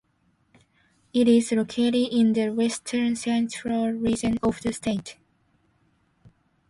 It is located in the western-central region of the state.